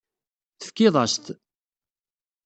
Tefkiḍ-as-t.